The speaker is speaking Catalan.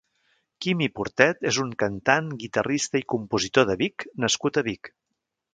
Quimi Portet és un cantant, guitarrista i compositor de Vic nascut a Vic.